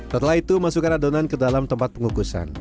setelah itu masukkan adonan ke dalam tempat pengukusan